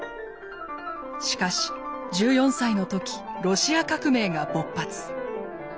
しかし１４歳の時ロシア革命が勃発。